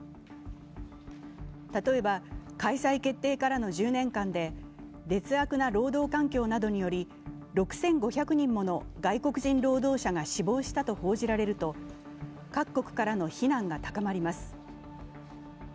例えば開催決定からの１０年間で劣悪な労働環境などにより６５００人もの外国人労働者が死亡したと報じられると、各国からの非難が高まります。